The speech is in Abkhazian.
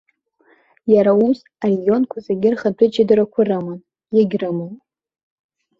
Иара ус, арегионқәа зегьы рхатәы ҷыдарақәа рыман, иагьрымоуп.